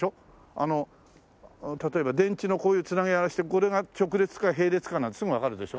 あの例えば電池のこういう繋げあれしてこれが直列か並列かなんてすぐわかるでしょ？